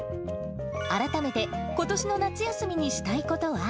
改めて、ことしの夏休みにしたいことは？